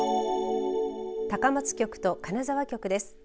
高松局と金沢局です。